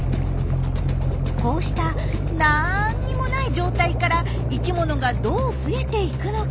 こうしたなんにもない状態から生きものがどう増えていくのか。